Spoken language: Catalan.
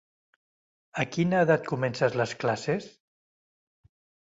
A quina edat comences les classes?